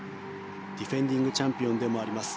ディフェンディングチャンピオンでもあります。